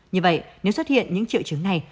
như vậy nếu xuất hiện những triệu chứng này